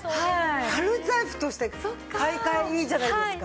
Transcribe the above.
春財布として買い替えいいじゃないですか。